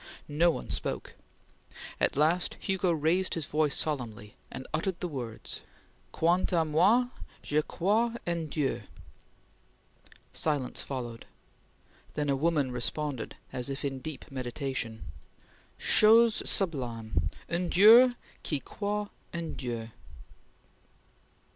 No one spoke. At last Hugo raised his voice solemnly, and uttered the words: 'Quant a moi, je crois en Dieu!' Silence followed. Then a woman responded as if in deep meditation: 'Chose sublime! un Dieu qui croit en Dieu!"'